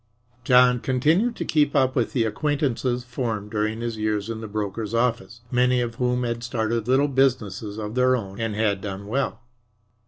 John continued to keep up with the acquaintances formed during his years in the broker's office, many of whom had started little businesses of their own and had done well.